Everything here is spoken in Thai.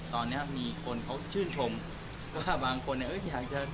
ตอนนี้มีคนเขาชื่นชมว่าบางคนเนี่ยเอ้ยที่หากจะ